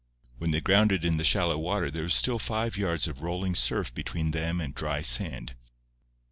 When they grounded in the shallow water there was still five yards of rolling surf between them and dry sand.